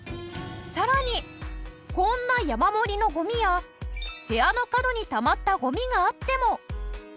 さらにこんな山盛りのゴミや部屋の角にたまったゴミがあっても。